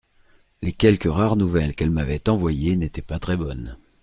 Les quelques rares nouvelles qu’elle m’avait envoyées n’étaient pas très bonnes.